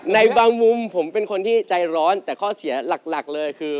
ในบางมุมผมเป็นคนที่ใจร้อนแต่ข้อเสียหลักเลยคือ